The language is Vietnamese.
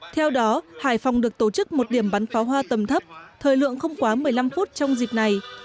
theo đó hải phòng được tổ chức một điểm bắn pháo hoa tầm thấp thời lượng không quá một mươi năm phút trong dịp này